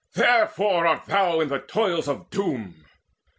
Therefore art thou in the toils Of Doom.